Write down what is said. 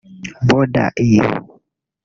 Bother you